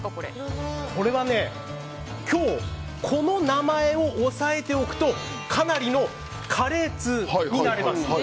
これはね今日、この名前を押さえておくとかなりのカレー通になれます。